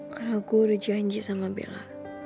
karena gue udah janji sama bella